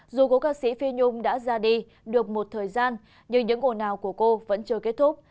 dù cố ca sĩ phi nhung đã ra đi được một thời gian nhưng những ồn ào của cô vẫn chưa kết thúc